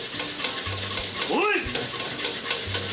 おい！